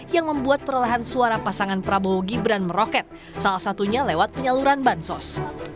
yang membuat perolahan suara pasangan prabowo gibran meroket salah satunya lewat penyaluran bansos